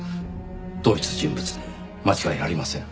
同一人物で間違いありません。